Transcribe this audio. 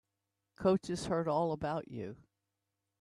Coach has heard all about you.